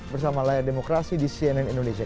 bersama layar demokrasi di cnn indonesia